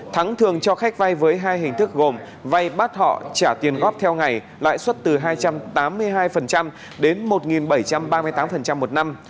thắng thường cho khách vay với hai hình thức gồm vay bắt họ trả tiền góp theo ngày lãi suất từ hai trăm tám mươi hai đến một bảy trăm ba mươi tám một năm